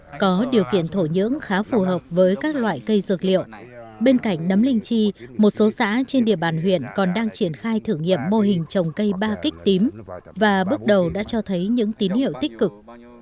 trong đó có điều kiện thổ nhưỡng khá phù hợp với các loại cây dược liệu bên cạnh nấm linh chi một số xã trên địa bàn huyện còn đang triển khai thử nghiệm mô hình trồng cây ba kích tím và bước đầu đã cho thấy những tín hiệu tích cực